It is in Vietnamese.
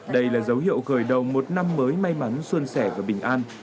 đây là dấu hiệu khởi đầu một năm mới may mắn xuân sẻ và bình an